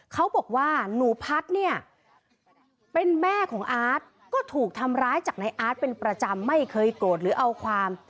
เขาบอกว่าหนูพัฒน์เนี่ยเป็นแม่ของอาร์ตก็ถูกทำร้ายจากในอาร์ตเป็นประจำไม่เคยโกรธหรือเอาความ